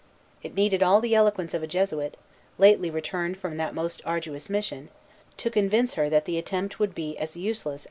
It needed all the eloquence of a Jesuit, lately returned from that most arduous mission, to convince her that the attempt would be as useless as rash.